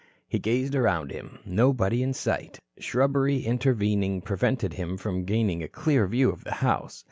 He gazed around him. Nobody in sight. Shrubbery intervening prevented him from gaining a clear view of the house.